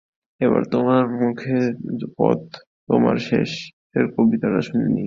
এবার তোমার মুখে তোমার পথ-শেষের কবিতাটা শুনে নিই।